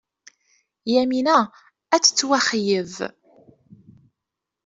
Yamina ad tettwaxeyyeb.